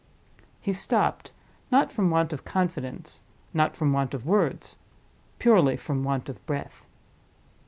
He stopped; not from want of confidence, not from want of words—purely from want of breath.